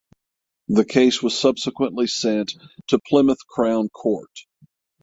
The case was subsequently sent to Plymouth Crown Court.